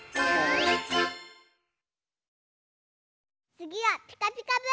つぎは「ピカピカブ！」。